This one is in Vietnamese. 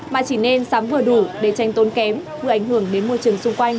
mà chỉ nên sắm vừa đủ để tranh tốn kém vừa ảnh hưởng đến môi trường xung quanh